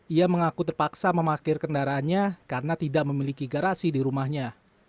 ia mengaku terpaksa memakir kendaraannya karena tidak memiliki garasi di rumahnya